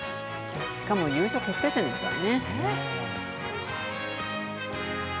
しかも優勝決定戦ですからね。